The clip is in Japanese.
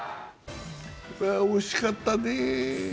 惜しかったねえ。